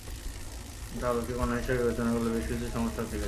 কিন্তু আলোকে কণা হিসেবে বিবেচনা করলে বেশ কিছু সমস্যাও থেকে যায়।